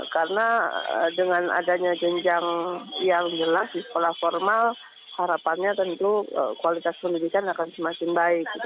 karena dengan adanya jenjang yang jelas di sekolah formal harapannya tentu kualitas pendidikan akan semakin baik